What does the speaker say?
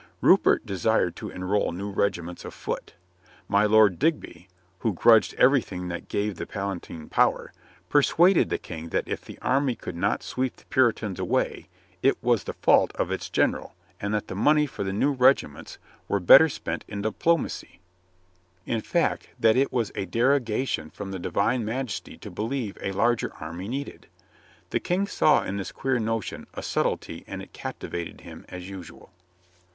Rupert desired to enroll new regiments of foot. My Lord Digby, who grudged everything that gave the Palatine power, persuaded the King that if the army could not sweep the Puritans away it was the fault of its general and that the money for the new regiments were bet 158 COLONEL GREATHEART ter spent on diplomacy ; in fact, that it was a deroga tion from the divine majesty to believe a larger army needed. The King saw in this queer notion a subtlety and it captivated him as usual.